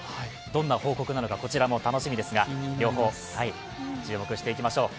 どんな報告なのかこちらも楽しみですが両方、注目していきましょう。